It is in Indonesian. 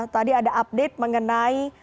tadi ada update mengenai